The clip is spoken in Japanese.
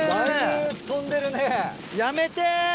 やめて。